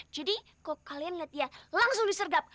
jadi kalau kalian lihat ya langsung disergap